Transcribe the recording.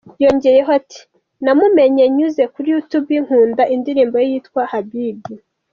Yongeyeho ati "Namumenye nyuze kuri Youtube, nkunda indirimbo ye yitwa ’Habibi’.